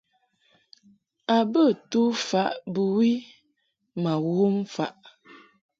A bə tu faʼ bɨwi ma wom faʼ.